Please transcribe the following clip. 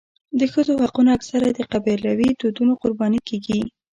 د ښځو حقونه اکثره د قبیلوي دودونو قرباني کېږي.